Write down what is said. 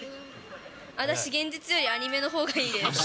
私、現実よりアニメのほうがいいです。